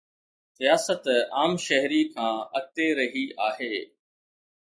رياست عام شهري کان اڳتي رهي آهي.